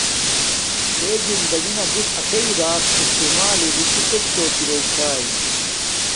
تے دندگی نا گڎ اݽݵ اے اݵݵ استعمال لݵ کسک سوچ ارے چھاݵ